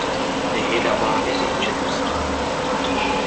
Ahil aɣurbiz yečča-t usɣan.